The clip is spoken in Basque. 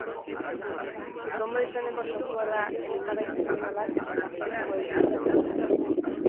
Sutondo izeneko softwarea, elikagai funtzionalak eta kafea izango dituzte aztergai.